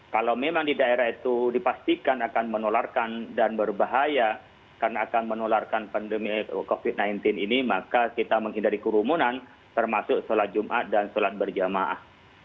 kalau memang di daerah itu dipastikan akan menularkan dan berbahaya karena akan menularkan pandemi covid sembilan belas ini maka kita menghindari kerumunan termasuk sholat jumat dan sholat berjamaah